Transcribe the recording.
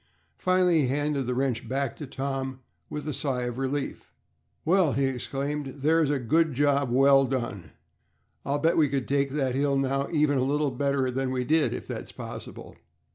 Finally he handed the wrench back to Tom with a sigh of relief. "Well!" he exclaimed. "There's a good job well done. I'll bet we could take that hill now even a little better than we did, if that's possible."